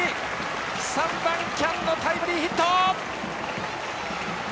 ３番・喜屋武のタイムリーヒット。